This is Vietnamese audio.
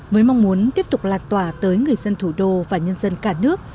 với mong muốn tiếp tục lan tỏa tới người dân thủ đô và nhân dân cả nước